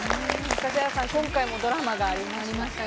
指原さん、今回もドラマがありましたね。